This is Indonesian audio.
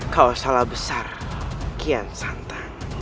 kau salah besar kian santan